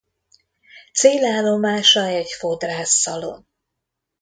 Célállomása egy fodrász szalon.